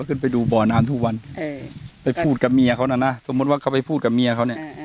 ขึ้นไปดูบ่อน้ำทุกวันไปพูดกับเมียเขาน่ะนะสมมุติว่าเขาไปพูดกับเมียเขาเนี่ย